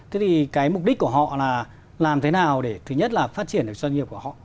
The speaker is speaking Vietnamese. thế thì cái mục đích của họ là làm thế nào để thứ nhất là phát triển được doanh nghiệp của họ